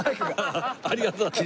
ありがとうございます。